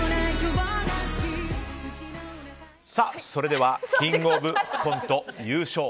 では「キングオブコント」優勝。